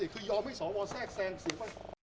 คือยอมให้สอวรแทรกแทรก